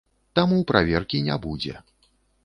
Таму праверкі не будзе.